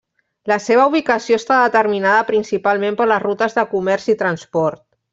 La seva ubicació està determinada principalment per les rutes de comerç i transport.